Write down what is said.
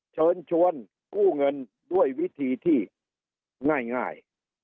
เชิญชวนกู้เงินด้วยวิธีที่ง่าย